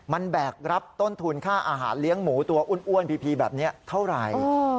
มันแบกรับต้นทุนค่าอาหารเลี้ยงหมูตัวอ้วนพีแบบนี้เท่าไหร่